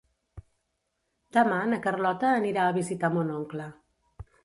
Demà na Carlota anirà a visitar mon oncle.